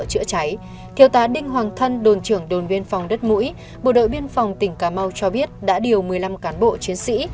chữa cháy thiếu tá đinh hoàng thân đồn trưởng đồn biên phòng đất mũi bộ đội biên phòng tỉnh cà mau cho biết đã điều một mươi năm cán bộ chiến sĩ